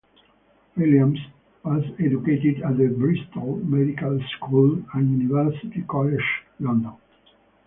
Williams was educated at Bristol Medical School and University College London.